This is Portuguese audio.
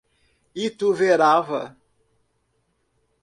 Ituverava